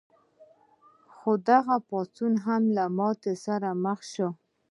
خو دغه پاڅون هم له ماتې سره مخ شو.